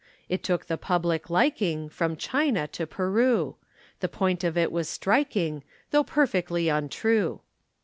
It took the public liking From China to Peru. The point of it was striking, Though perfectly untrue.